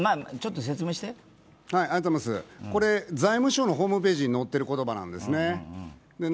財務省のホームページに載っている言葉なんです。